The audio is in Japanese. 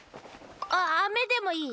ああめでもいい？